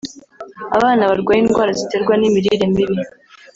abana barwaye indwara ziterwa n’imirire mibi